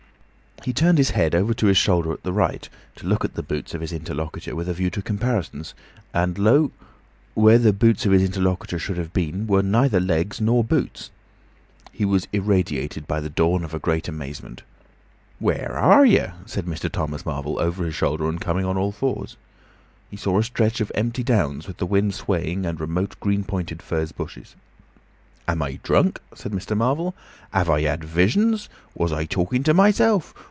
He turned his head over his shoulder to the right, to look at the boots of his interlocutor with a view to comparisons, and lo! where the boots of his interlocutor should have been were neither legs nor boots. He was irradiated by the dawn of a great amazement. "Where are yer?" said Mr. Thomas Marvel over his shoulder and coming on all fours. He saw a stretch of empty downs with the wind swaying the remote green pointed furze bushes. "Am I drunk?" said Mr. Marvel. "Have I had visions? Was I talking to myself?